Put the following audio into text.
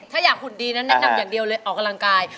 ถ้าอยากหุ่นดีนั้นแนะนำอย่างเดียวเลยออกกำลังกาย